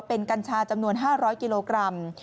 เป็นกัญชาจำนวน๕๐๐กิโลกรัม